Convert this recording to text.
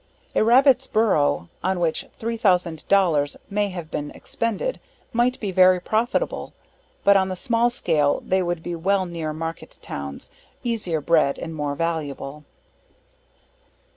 A Rabbit's borough, on which 3000 dollars may have been expended, might be very profitable; but on the small scale they would be well near market towns easier bred, and more valuable.